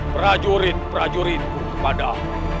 prajurit prajuritku kepada allah